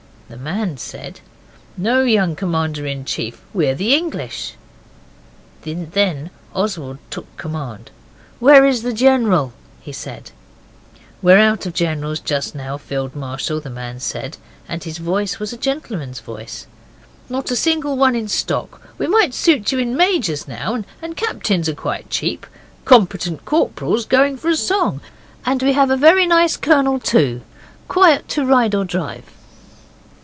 The man said 'No, young Commander in Chief, we're the English.' Then Oswald took command. 'Where is the General?' he said. 'We're out of generals just now, Field Marshal,' the man said, and his voice was a gentleman's voice. 'Not a single one in stock. We might suit you in majors now and captains are quite cheap. Competent corporals going for a song. And we have a very nice colonel, too quiet to ride or drive.